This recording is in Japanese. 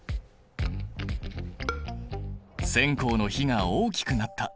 線香の火が大きくなった。